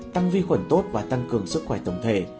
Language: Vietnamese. tăng vi khuẩn tốt và tăng cường sức khỏe tổng thể